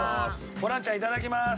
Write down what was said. ホランちゃんいただきます！